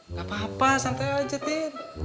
nggak apa apa santai aja lanjutin